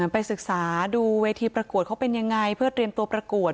ไปศึกษาดูเวทีประกวดเขาเป็นยังไงเพื่อเตรียมตัวประกวด